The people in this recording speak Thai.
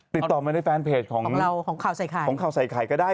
ติดต่อมาในแฟนเพจของของข่าวใส่ข่าย